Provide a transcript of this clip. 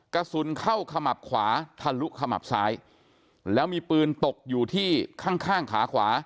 กระสุนเข้าขมับขวาทะลุขมับซ้ายแล้วมีปืนตกอยู่ที่ข้างข้างขาขวา